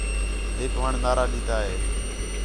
ہِک وݨ نعرہ ݙِتّا ہِے